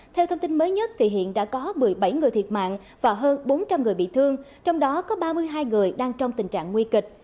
theo thông tin mới nhất thì hiện đã có một mươi bảy người thiệt mạng và hơn bốn trăm linh người bị thương trong đó có ba mươi hai người đang trong tình trạng nguy kịch